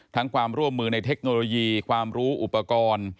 ความร่วมมือในเทคโนโลยีความรู้อุปกรณ์